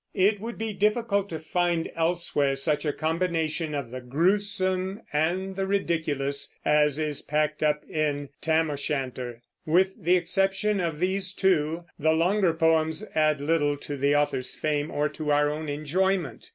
It would be difficult to find elsewhere such a combination of the grewsome and the ridiculous as is packed up in "Tam o' Shanter." With the exception of these two, the longer poems add little to the author's fame or to our own enjoyment.